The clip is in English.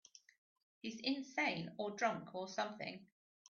He's insane or drunk or something.